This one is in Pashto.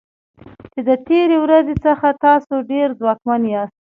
چې د تیرې ورځې څخه تاسو ډیر ځواکمن یاست.